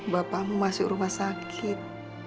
bapamu masih rumah sakit